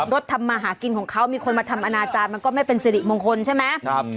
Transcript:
รถทำมาหากินของเขามีคนมาทำอนาจารย์มันก็ไม่เป็นสิริมงคลใช่ไหม